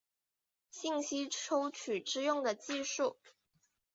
信息抽取之用的技术。